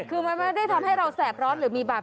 คือมันไม่ได้ทำให้เราแสบร้อน